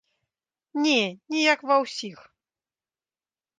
Не, не як ва ўсіх.